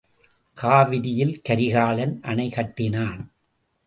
காவிரியில் கரிகாலன் அணை கட்டினான்!